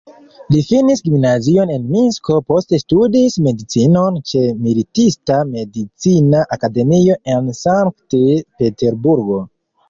Li finis gimnazion en Minsko, poste studis medicinon ĉe Militista-Medicina Akademio en Sankt-Peterburgo.